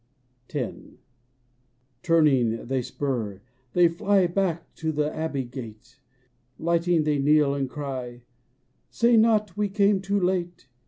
X. Turning, they spur — they fly Back to the abbey gate ; 'Lighting they kneel and cry, "Say not we come too late!